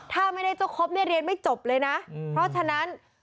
ถ้าไม่ได้เจ้าครบเนี่ยเรียนไม่จบเลยนะเพราะฉะนั้น